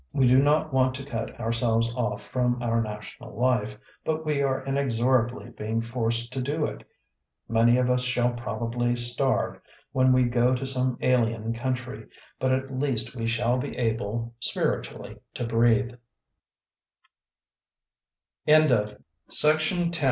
We do not want to cut our selves off from our national life, but we are inexorably being forced to do it — ^many of us shall probably starve when we go to some alien country, but at least we shall be able, spiritual